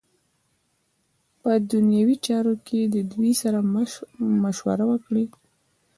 په دنیوی چارو کی ددوی سره مشوره وکړی .